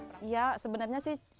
rituan yang terkait dengan perahu